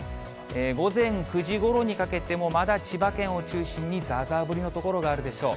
午前９時ごろにかけてもまだ千葉県を中心に、ざーざー降りの所があるでしょう。